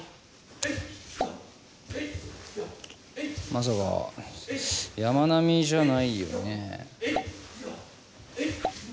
まさか山南じゃないよねえ？